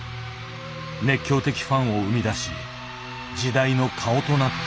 熱狂的ファンを生み出し時代の顔となった。